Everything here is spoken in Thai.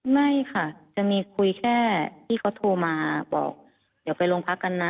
ไม่ค่ะคุยแค่เขาโทรมาบอกเดี๋ยวไปลงพักกันนะ